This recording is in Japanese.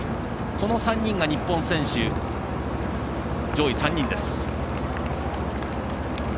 この３人が日本人選手上位３人です。